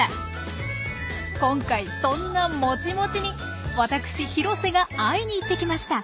今回そんなもちもちに私廣瀬が会いに行ってきました。